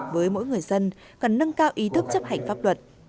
với mỗi người dân cần nâng cao ý thức chấp hành pháp luật